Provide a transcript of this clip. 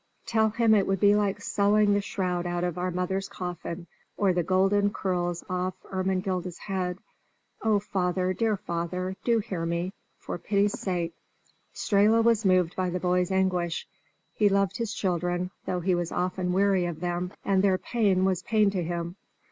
Tell him it would be like selling the shroud out of mother's coffin, or the golden curls off Ermengilda's head! Oh, father, dear father! do hear me, for pity's sake!" Strehla was moved by the boy's anguish. He loved his children, though he was often weary of them, and their pain was pain to him.